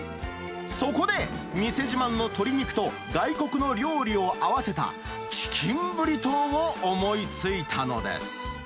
そこで、店自慢の鶏肉と、外国の料理を合わせたチキンブリトーを思いついたのです。